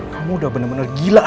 kamu udah bener bener gila lagi